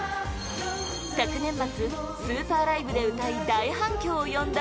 昨年末「ＳＵＰＥＲＬＩＶＥ」で歌い大反響を呼んだ